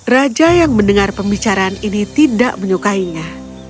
raja yang mendengar pembicaraan ini tidak menyukainya